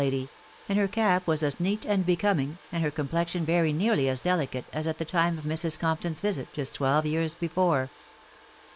lady ; and her cap was aa neat and becoming, and her com* plexion very nearly as delicate, as at the time of Mrs. Comp ton's visit just twelve years before.